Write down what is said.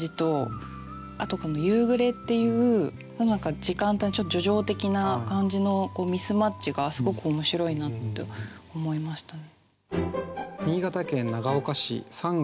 あとこの「夕暮れ」っていう時間帯のちょっと叙情的な感じのミスマッチがすごく面白いなと思いましたね。